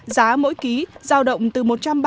giá mỗi ký giao động từ